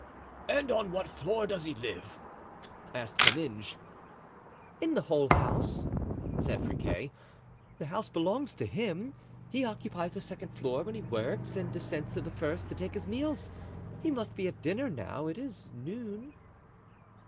"And on what floor does he live?" asked Comminges. "In the whole house," said Friquet; "the house belongs to him; he occupies the second floor when he works and descends to the first to take his meals; he must be at dinner now; it is noon."